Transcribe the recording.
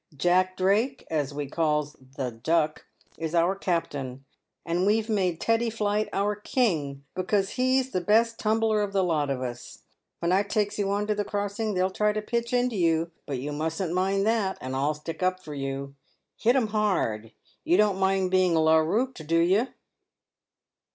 Jack Drake — as we calls ' the Duck' — is our Captain, and we've made Teddy Plight, our king because he's the best tumbler of the lot of us. When I takes you on to the crossing, they'll try to pitch into you, but you mustn't mind that, and I'll stick up for you. Hit 'em hard. You don't mind being larrupped, do you